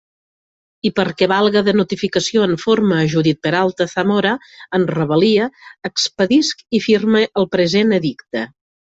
I perquè valga de notificació en forma a Judit Peralta Zamora, en rebel·lia, expedisc i firme el present edicte.